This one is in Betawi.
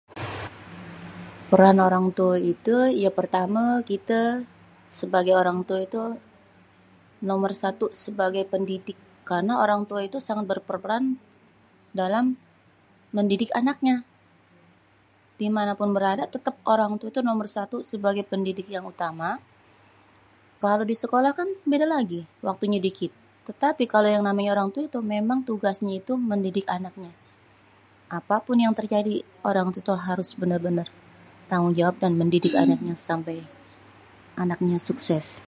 peran orang tuê itu yê pertamê kitê sebagai orang tuê itu nomor satu sebagai pendidik karna orang tuê itu sangat berperan dalam mendidik anaknya dimanapun berada têtêp orang tuê tuh nomor satu sebagai pendidik yang utama kalo disekolah kan bèda lagi waktunyê dikit tetapi kalo yang namanyê orang tuê tuh tugasnyê tuh mendidik anaknyê apapun yang terjadi orang tuê tuh harus bênêr-bênêr tanggung jawab dan mendidik ke anaknya sampai anaknya sukses.